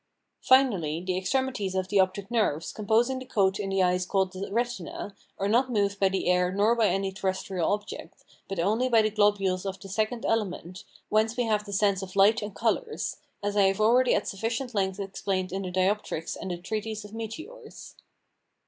Finally, the extremities of the optic nerves, composing the coat in the eyes called the retina, are not moved by the air nor by any terrestrial object, but only by the globules of the second element, whence we have the sense of light and colours: as I have already at sufficient length explained in the Dioptrics and treatise of Meteors.